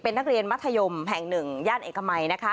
นักเรียนมัธยมแห่งหนึ่งย่านเอกมัยนะคะ